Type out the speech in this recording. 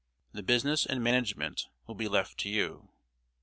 The business and management will be left to you."